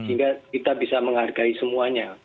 sehingga kita bisa menghargai semuanya